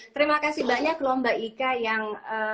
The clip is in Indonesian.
terima kasih banyak loh mbak ika yang